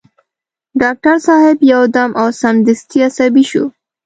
ډاکټر صاحب يو دم او سمدستي عصبي شو.